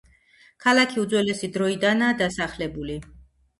ქალაქი უძველესი დროიდანაა დასახლებული.